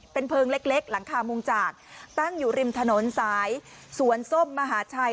เป็นเพลิงเล็กหลังคามุงจากตั้งอยู่ริมถนนสายสวนส้มมหาชัย